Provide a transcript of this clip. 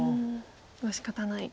しかたない。